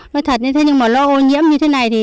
nói thật nhưng mà lo ô nhiễm như thế này